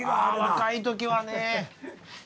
若い時はねまた。